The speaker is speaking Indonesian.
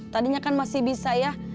tadinya kan masih bisa ya